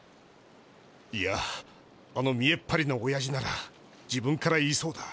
いやあのみえっぱりなおやじなら自分から言いそうだ。